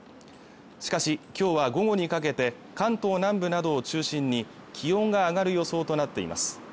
しかし今日は午後にかけて関東南部などを中心に気温が上がる予想となっています